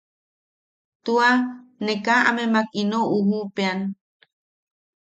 Tua, ne kaa amemak ino ujuʼupeʼean.